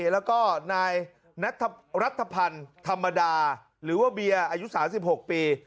แล้วก็นายรัฐพันธ์ธรรมดาหรือว่าเบียร์อายุ๓๖ปี